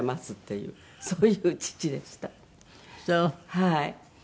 はい。